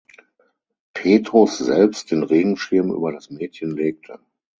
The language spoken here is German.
Petrus selbst den Regenschirm über das Mädchen legte.